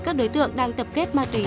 các đối tượng đang tập kết ma túy